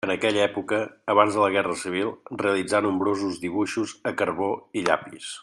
En aquella època, abans de la guerra civil, realitzà nombrosos dibuixos a carbó i llapis.